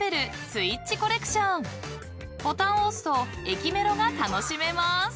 ［ボタンを押すと駅メロが楽しめます］